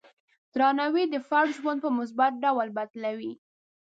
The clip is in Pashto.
درناوی د فرد ژوند په مثبت ډول بدلوي.